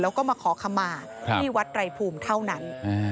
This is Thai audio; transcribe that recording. แล้วก็มาขอคำมาที่วัดไรภูมิเท่านั้น